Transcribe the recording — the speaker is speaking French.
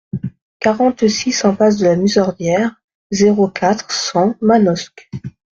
quarante-six impasse de la Musardière, zéro quatre, cent, Manosque